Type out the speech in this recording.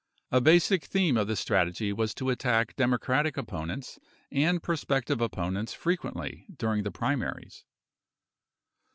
A basic theme of this strategy w T as to attack Democratic opponents and prospective opponents frequently during the primaries.